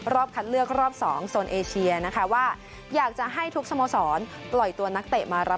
รอบคัดเลือกรอบ๒โซนเอเชียนะค่ะว่า